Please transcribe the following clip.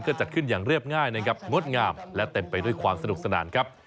ก็จัดขึ้นอย่างเรียบง่ายนะครับงดงามและเต็มไปด้วยความสนุกสนานครับ